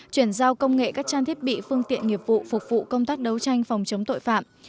chuyển giao công nghệ các trang thiết bị phương tiện nghiệp vụ phục vụ công tác đấu tranh phòng chống tội phạm